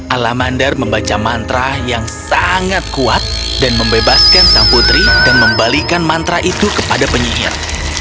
alamandar membaca mantra yang sangat kuat dan membebaskan sang putri dan membalikan mantra itu kepada penyihir